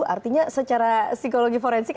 artinya secara psikologi forensik